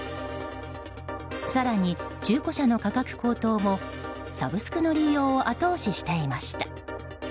更に、中古車の価格高騰もサブスクの利用を後押ししていました。